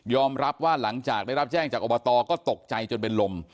รับว่าหลังจากได้รับแจ้งจากอบตก็ตกใจจนเป็นลม